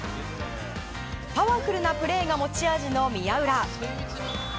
パワフルなプレーが持ち味の宮浦。